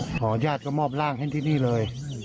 หอวิญญาณล่ะยาดก็มอบร่างเกินไปทันที่นี่เลย